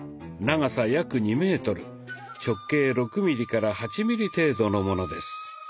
長さ約２メートル直径６ミリから８ミリ程度のものです。